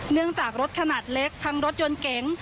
เนื่องจากรถขนาดเล็กทั้งรถยนต์เก๋ง